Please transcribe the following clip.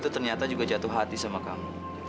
ternyata juga jatuh hati sama kamu